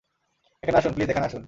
এখানে আসুন, প্লিজ এখানে আসুন।